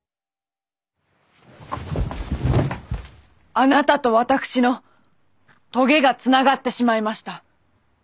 あなたと私の棘がつながってしまいました。